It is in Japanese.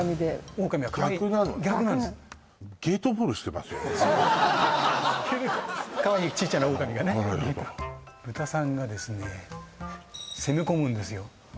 オオカミはかわいい逆なんですかわいい小ちゃなオオカミがねなるほどブタさんがですね攻め込むんですよ